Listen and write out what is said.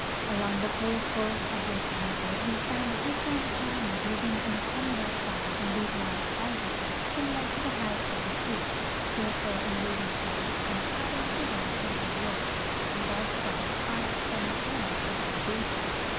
Along the whole A JOURNEY IN ECUADOR 243 course of this river we found different clans living in communal style in these large houses, similar to the house of the chief, skill ful in weaving cloth and carving figures out of wood, without doubt arts from a higher civilization.